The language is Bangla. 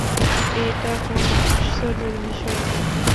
এটা কোন আশ্চর্যের বিষয় নয়।